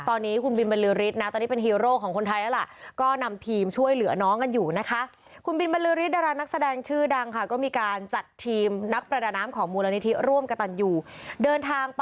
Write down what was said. ตอนนี้คุณบิลบระหลือฤษนะเป็นฮีโร่ของคนไทยดีล่ะ